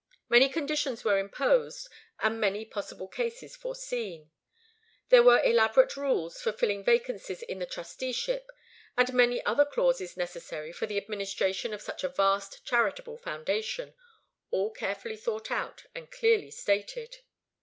Many conditions were imposed, and many possible cases foreseen. There were elaborate rules for filling vacancies in the trusteeship, and many other clauses necessary for the administration of such a vast charitable foundation, all carefully thought out and clearly stated.